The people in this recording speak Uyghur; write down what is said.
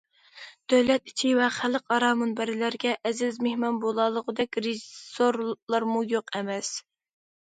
دۆلەت ئىچى ۋە خەلقئارا مۇنبەرلەرگە ئەزىز مېھمان بولالىغۇدەك رېژىسسورلارمۇ يوق ئەمەس.